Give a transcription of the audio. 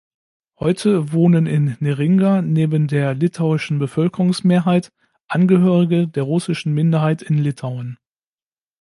Heute wohnen in Neringa neben der litauischen Bevölkerungsmehrheit Angehörige der russischen Minderheit in Litauen.